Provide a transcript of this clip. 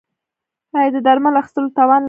ایا د درملو اخیستلو توان لرئ؟